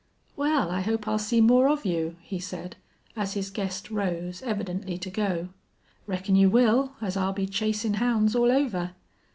"Wal, I hope I'll see more of you," he said, as his guest rose, evidently to go. "Reckon you will, as I'll be chasin' hounds all over.